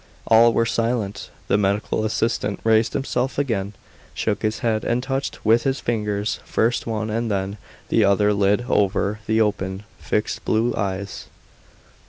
All were silent. The medical assistant raised himself again, shook his head, and touched with his fingers first one and then the other lid over the open, fixed blue eyes.